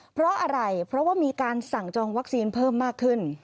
เพราะอะไรเพราะว่ามีการสั่งจองวัคซีนเพิ่มมากขึ้น